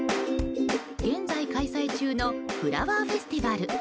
現在開催中のフラワーフェスティバル。